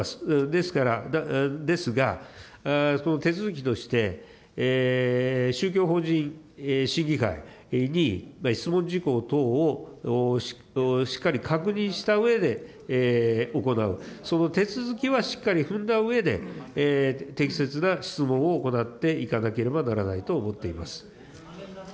ですから、ですが、その手続きとして、宗教法人審議会に質問事項等をしっかり確認したうえで行う、その手続きはしっかり踏んだうえで、適切な質問を行っていかなければならないと思っています。